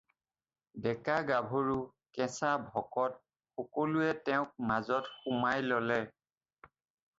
ডেকা-গাভৰু, কেঁচা ভকত সকলোৱে তেওঁক মাজত সুমাই ল'লে।